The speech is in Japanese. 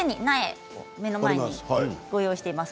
目の前にご用意しています。